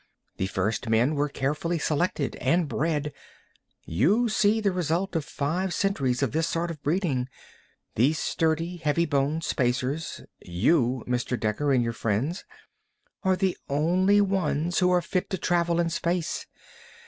The first men were carefully selected and bred. You see the result of five centuries of this sort of breeding. The sturdy, heavy boned Spacers you, Mr. Dekker, and your friends are the only ones who are fit to travel in space.